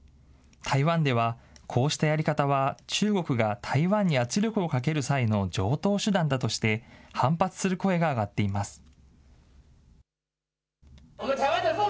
台湾では、こうしたやり方は、中国が台湾に圧力をかける際の常とう手段だとして、反発する声が上がっています。